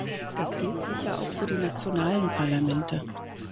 Das gilt sicher auch für die nationalen Parlamente.